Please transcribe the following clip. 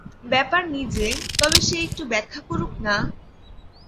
ব্যাপার নিজে তবে সে একটু ব্যাখ্যা করুক না?